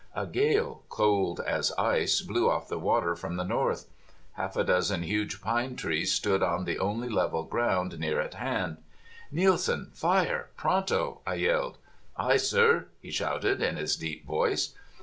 A gale, cold as ice, blew off the water from the north. Half a dozen huge pine trees stood on the only level ground near at hand. "Nielsen, fire pronto!" I yelled. "Aye, sir," he shouted, in his deep voice.